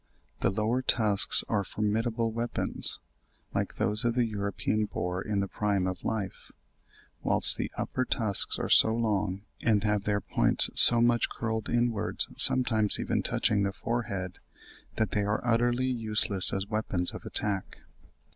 66), the lower tusks are formidable weapons, like those of the European boar in the prime of life, whilst the upper tusks are so long and have their points so much curled inwards, sometimes even touching the forehead, that they are utterly useless as weapons of attack.